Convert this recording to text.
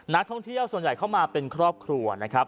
นักท่องเที่ยวส่วนใหญ่เข้ามาเป็นครอบครัวนะครับ